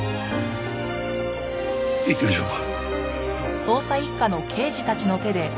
行きましょうか。